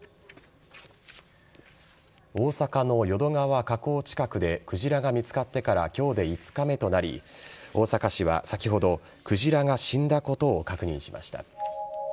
大阪の淀川河口近くでクジラか見つかってから今日で５日目となり大阪市は先ほどクジラが死んだことを確認しました。